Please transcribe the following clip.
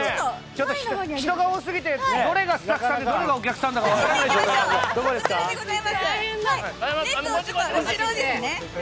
人が多すぎてどれがスタッフさんでどれがお客さんか分からない